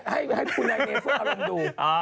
ให้คุณไอ้เมฟ่าลงดู